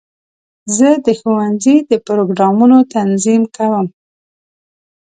زه د ښوونځي د پروګرامونو تنظیم کوم.